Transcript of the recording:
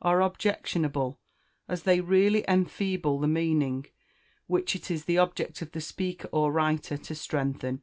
are objectionable, as they really enfeeble the meaning which it is the object of the speaker or writer to strengthen.